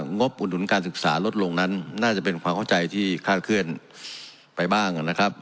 บอุดหนุนการศึกษาลดลงนั้นน่าจะเป็นความเข้าใจที่คาดเคลื่อนไปบ้างนะครับ